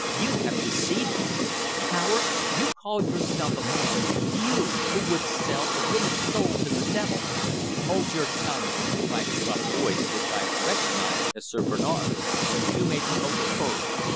"You have deceived me! Coward! You call yourself a man you, who would sell a woman's soul to the devil!" "Hold your tongue!" cried a gruff voice which I recognised as Sir Bernard's. "You may be overheard.